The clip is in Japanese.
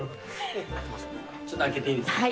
ちょっと開けていいですか？